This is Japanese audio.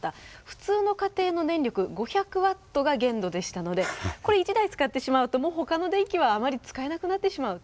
普通の家庭の電力５００ワットが限度でしたのでこれ１台使ってしまうともう他の電気はあまり使えなくなってしまう。